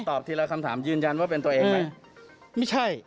ตอบทีละคำถามยืนยันว่าเป็นตัวเองไหม